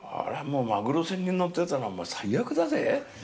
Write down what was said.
マグロ船に乗ってたら最悪だぜ。